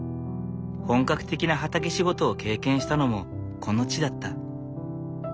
本格的な畑仕事を経験したのもこの地だった。